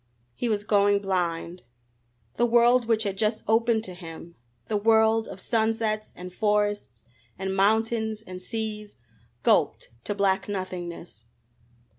He was going blind. The world which had just opened to him the world of sunsets and forests and mountains and seas gulped to black nothingness!